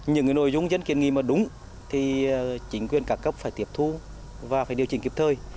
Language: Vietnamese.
những nội dung dân kiên nghị mà đúng thì chính quyền các cấp phải tiếp thu và phải điều chỉnh kịp thời